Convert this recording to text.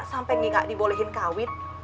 sampai gak dibolehin kawin